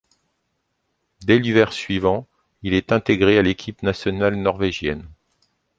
Dès l'hiver suivant, il est intégré à l'équipe nationale norvégienne.